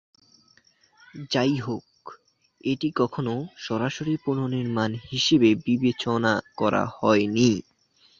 যাইহোক, এটি কখনও সরাসরি পুনর্নির্মাণ হিসাবে বিবেচনা করা হয়নি।